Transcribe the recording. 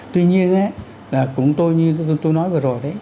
tuy nhiên là cũng tôi như tôi nói vừa rồi đấy